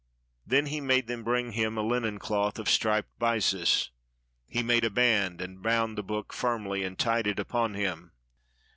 '" Then he made them bring him a linen cloth of striped byssus; he made a band, and bound the book firmly, and tied it upon him.